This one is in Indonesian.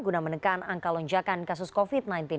guna menekan angka lonjakan kasus covid sembilan belas